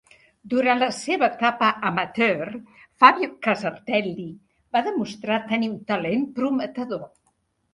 Durant la seva etapa amateur, Fabio Casartelli va demostrar tenir un talent prometedor.